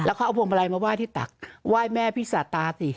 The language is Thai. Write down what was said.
เขาเอาพวงมาลัยมาไหว้ที่ตักไหว้แม่พี่สาตาสิ